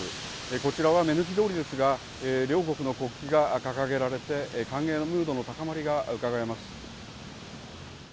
こちらは目抜き通りですが、両国の国旗が掲げられて、歓迎のムードの高まりがうかがえます。